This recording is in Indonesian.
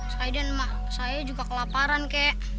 saya dan mak saya juga kelaparan kak